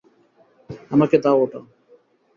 আমাকে দাও ওটা।